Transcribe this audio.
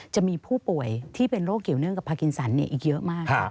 จะมีผู้ป่วยที่เป็นโรคเกี่ยวเนื่องกับพากินสันอีกเยอะมาก